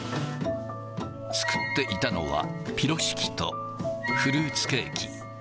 作っていたのはピロシキとフルーツケーキ。